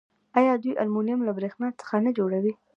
آیا دوی المونیم له بریښنا څخه نه جوړوي؟